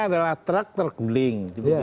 adalah truk terguling